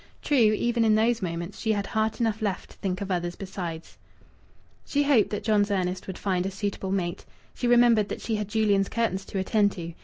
True, even in those moments, she had heart enough left to think of others besides. She hoped that John's Ernest would find a suitable mate. She remembered that she had Julian's curtains to attend to.